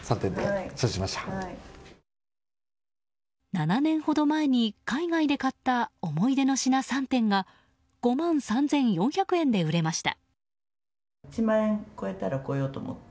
７年ほど前に海外で買った思い出の品３点が５万３４００円で売れました。